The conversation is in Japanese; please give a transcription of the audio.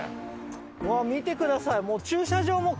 うわっ見てください。